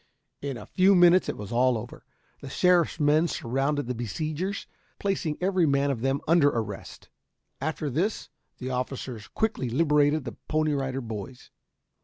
In a few minutes it was all over. The sheriff's men surrounded the besiegers, placing every man of them under arrest. After this the officers quickly liberated the Pony Rider Boys.